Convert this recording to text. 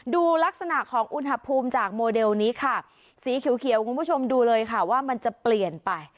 ดูลักษณะของอุณหภูมิจากโมเดลนี้ค่ะสีเขียวคุณผู้ชมดูเลยค่ะว่ามันจะเปลี่ยนไป